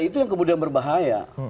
itu yang kemudian berbahaya